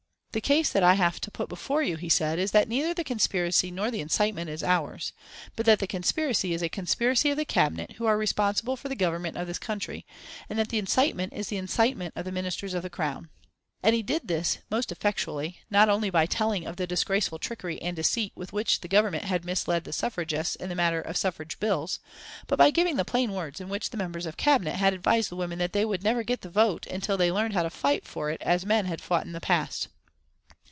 "The case that I have to put before you," he said, "is that neither the conspiracy nor the incitement is ours; but that the conspiracy is a conspiracy of the Cabinet who are responsible for the Government of this country; and that the incitement is the incitement of the Ministers of the Crown." And he did this most effectually not only by telling of the disgraceful trickery and deceit with which the Government had misled the suffragists in the matter of suffrage bills, but by giving the plain words in which members of the Cabinet had advised the women that they would never get the vote until they had learned to fight for it as men had fought in the past.